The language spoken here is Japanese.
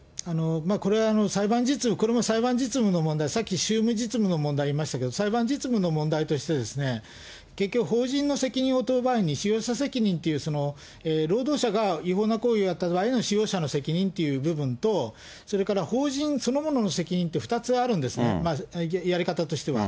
これは裁判実務、これも裁判実務の問題、さっき宗務実務の問題ありましたけど、裁判実務の問題として、結局法人の責任を問う場合に使用者責任という労働者が違法な行為をやった場合の使用者の責任という部分と、それから法人そのものの責任と２つあるんですね、やり方としては。